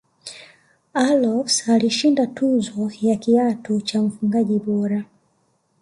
allofs alishinda tuzo ya kiatu cha mfungaji bora